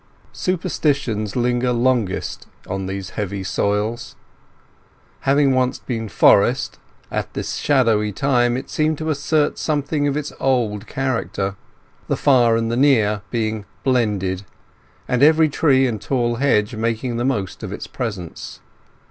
Superstitions linger longest on these heavy soils. Having once been forest, at this shadowy time it seemed to assert something of its old character, the far and the near being blended, and every tree and tall hedge making the most of its presence.